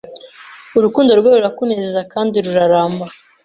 Urukundo rwe rurakunezeza kandi ruraramba